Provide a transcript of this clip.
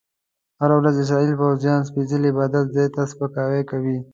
هره ورځ اسرایلي پوځیان سپیڅلي عبادت ځای ته سپکاوی کوي.